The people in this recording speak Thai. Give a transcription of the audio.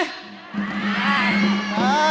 ได้